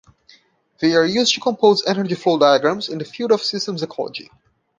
They are used to compose energy flow diagrams in the field of systems ecology.